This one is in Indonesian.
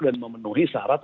dan memenuhi syarat